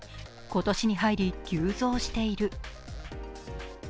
今年に入り、急増している。